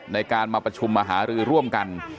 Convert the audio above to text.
ในการมาประชุมมหารือร่วมกัน